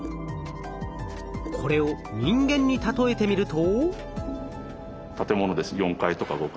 これを人間に例えてみると。